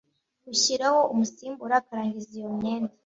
rushyiraho umusimbura akarangiza iyo manda.